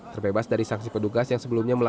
terbebas dari saksi pedugas yang sebelumnya melalui